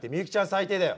最低だよ。